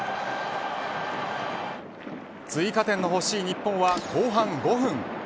追加点のほしい日本は後半５分。